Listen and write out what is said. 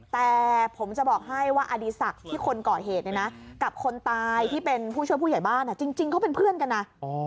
แต่ผมจะบอกให้ว่าอดีศักดิ์ที่คนก่อเหตุเนี่ยนะกับคนตายที่เป็นผู้ช่วยผู้ใหญ่บ้านจริงเขาเป็นเพื่อนกันนะ